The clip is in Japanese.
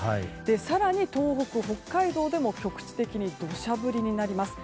更に、東北、北海道でも局地的に土砂降りになります。